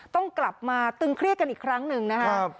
ต้องกลับมาตึงเครียดกันอีกครั้งหนึ่งนะครับ